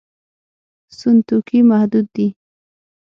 سون توکي محدود دي.